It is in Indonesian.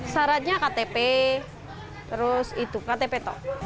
syaratnya ktp terus itu ktp to